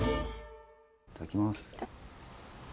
頂きます。